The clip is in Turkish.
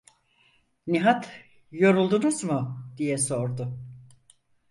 Nihat "Yoruldunuz mu?" diye sordu.